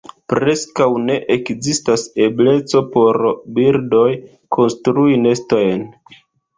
Preskaŭ ne ekzistas ebleco por birdoj konstrui nestojn.